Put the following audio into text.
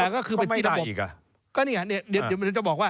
ก็ไม่ได้อีก